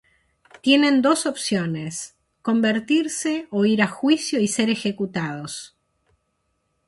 Tienen dos opciones: convertirse o ir a juicio y ser ejecutados.